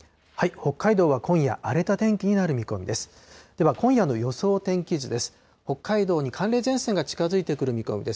北海道は今夜、荒れた天気になる見込みです。